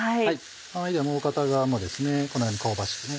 ではもう片側もこのように香ばしくね。